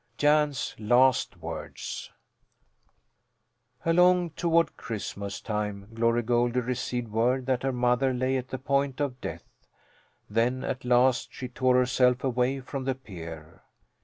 JAN'S LAST WORDS Along toward Christmas time Glory Goldie received word that her mother lay at the point of death. Then at last she tore herself away from the pier.